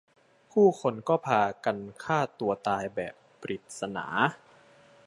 ผู้คนก็พากันฆ่าตัวตายแบบปริศนา